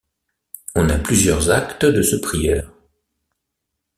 On a plusieurs actes de ce prieur.